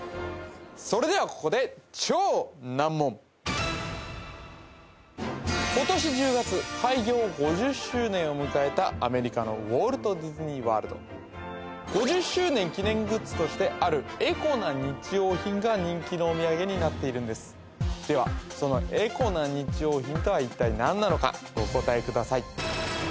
それではここで今年１０月開業５０周年を迎えたアメリカのウォルト・ディズニー・ワールド５０周年記念グッズとしてあるエコな日用品が人気のお土産になっているんですではそのエコな日用品とは一体何なのかお答えください